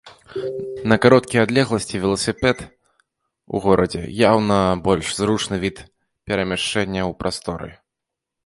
На кароткія адлегласці веласіпед у горадзе яўна больш зручны від перамяшчэння ў прасторы.